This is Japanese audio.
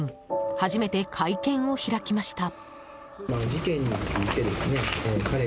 初めて会見を開きました。